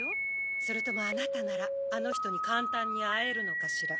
それともあなたならあの人に簡単に会えるのかしら？